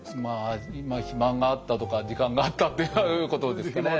まあ暇があったとか時間があったってことですかね。